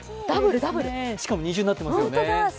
しかも二重になってますよね。